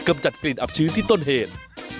จัดกลิ่นอับชื้นที่ต้นเหตุ